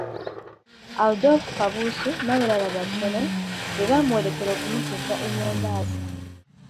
Adolfu Kabuusu n' abalala batono, be baamuwerekerako okumutuusa e Mombasa.